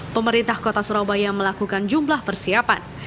pemerintah kota surabaya melakukan jumlah persiapan